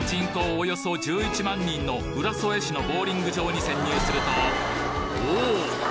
およそ１１万人の浦添市のボウリング場に潜入するとおぉ！